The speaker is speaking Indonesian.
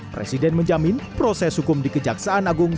presiden menjamin proses hukum di kejaksaan agung